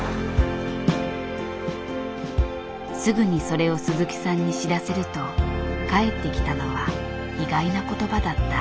すぐにそれを鈴木さんに知らせると返ってきたのは意外な言葉だった。